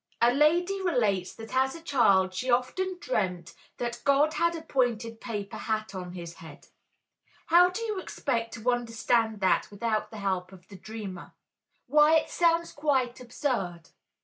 A lady relates that as a child she often dreamt "that God had a pointed paper hat on his head." How do you expect to understand that without the help of the dreamer? Why, it sounds quite absurd.